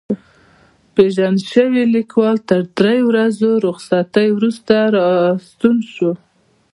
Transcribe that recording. پېژندل شوی لیکوال تر درې ورځو رخصتۍ وروسته راستون شو.